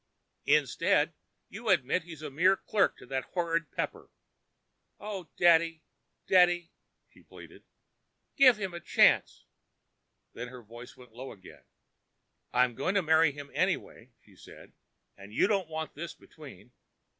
Instead, you admit he's a mere clerk for that horrid Pepper. Oh, daddy, daddy," she pleaded. "Give him a chance." Then her voice went low again. "I'm going to marry him anyway," she said, "and you don't want this between.